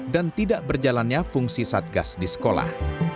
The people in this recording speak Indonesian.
dan tidak berjalannya fungsi satgas di sekolah